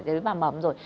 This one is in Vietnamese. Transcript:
tế bào mầm rồi